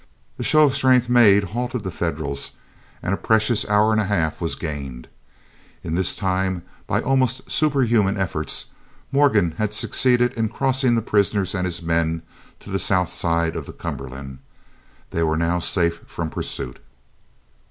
The show of strength made halted the Federals, and a precious hour and a half was gained. In this time, by almost superhuman efforts, Morgan had succeeded in crossing the prisoners and his men to the south side of the Cumberland. They were now safe from pursuit.